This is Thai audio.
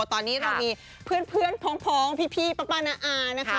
ตอนนี้เรามีเพื่อนพร้องพี่ป๊องป๊านะอา